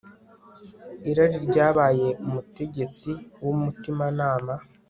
Irari ryabaye umutegetsi wumutimanama